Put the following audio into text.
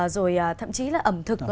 rồi thậm chí là ẩm thực